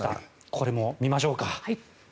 これも見ましょうか。